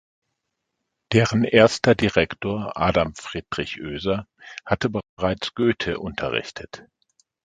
Deren erster Direktor, Adam Friedrich Oeser, hatte bereits Goethe unterrichtet.